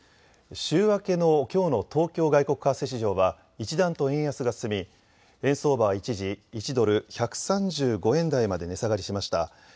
週明けのきょうの東京外国為替市場は一段と円安が進み円相場は一時、１ドル１３５円台まで値下がりしました。